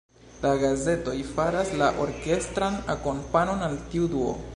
La gazetoj faras la orkestran akompanon al tiu duo.